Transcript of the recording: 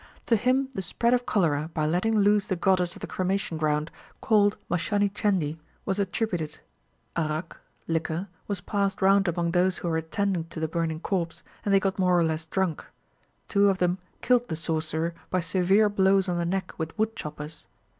To him the spread of cholera by letting loose the goddess of the cremation ground, called Mashani Chendi, was attributed. Arrack (liquor) was passed round among those who were attending to the burning corpse, and they got more or less drunk. Two of them killed the sorcerer by severe blows on the neck with wood choppers.